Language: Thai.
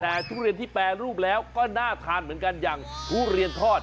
แต่ทุเรียนที่แปรรูปแล้วก็น่าทานเหมือนกันอย่างทุเรียนทอด